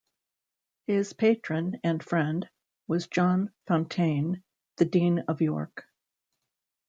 His patron and friend was John Fountayne, the Dean of York.